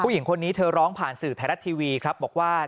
ผู้หญิงคนนี้เธอร้องผ่านสื่อไทยรัฐทีวีครับบอกว่า